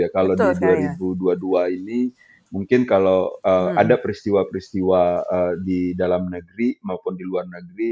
kalau di dua ribu dua puluh dua ini mungkin kalau ada peristiwa peristiwa di dalam negeri maupun di luar negeri